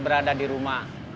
berada di rumah